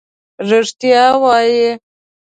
رښتیا وایې.